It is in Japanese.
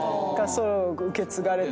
受け継がれて。